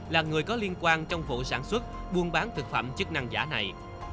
là người có liên quan trong vụ sản xuất buôn bán thực phẩm chức năng giả này